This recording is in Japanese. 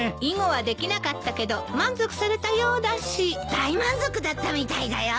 大満足だったみたいだよ。